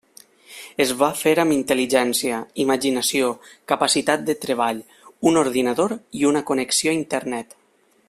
Es va fer amb intel·ligència, imaginació, capacitat de treball, un ordinador i una connexió a Internet.